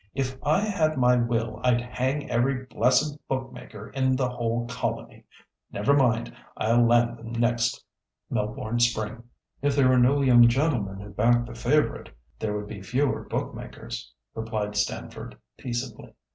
If I had my will I'd hang every blessed bookmaker in the whole colony. Never mind, I'll land them next Melbourne Spring." "If there were no young gentlemen who backed the favourite, there would be fewer bookmakers," replied Stamford, peaceably.